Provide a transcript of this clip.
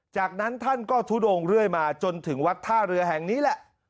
จากนั้นท่านก็ทุดงเรื่อยมาจนถึงวัดท่าเรือแห่งนี้แหละ